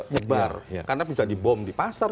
nyebar karena bisa dibom di pasar